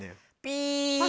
ピ。